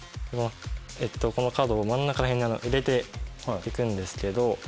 このカードを真ん中ら辺に入れていくんですけど。